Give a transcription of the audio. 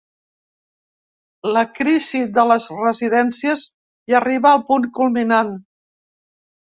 La crisi de les residències ja arriba al punt culminant.